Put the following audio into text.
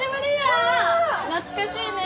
懐かしいね。